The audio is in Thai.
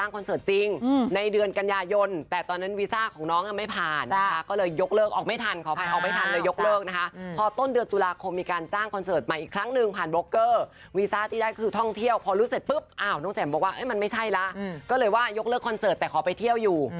ก็เลยว่ายกเลิกคอนเสิร์ตแต่ขอไปเที่ยวอยู่